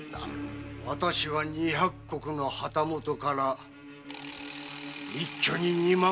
私は二百石の旗本から一挙に二万石の大名。